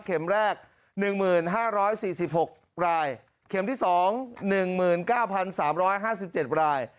เข็มแรก๑๕๔๖รายเข็มที่๒๑๙๓๕๗ราย